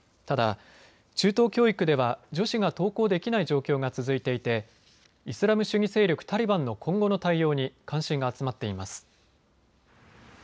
ただ、中等教育では女子が登校できない状況が続いていてイスラム主義勢力タリバンの今後の対応に関心が集まっています。